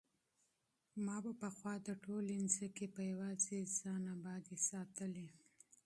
ما به پخوا دا ټولې ځمکې په یوازې ځان ابادې ساتلې.